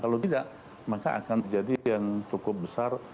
kalau tidak maka akan terjadi yang cukup besar